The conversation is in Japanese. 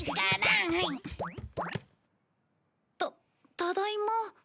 ただいま。